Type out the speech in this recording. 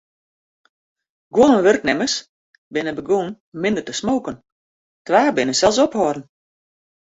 Guon wurknimmers binne begûn om minder te smoken, twa binne sels opholden.